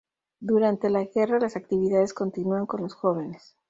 Durante la guerra, las actividades continúan con los jóvenes.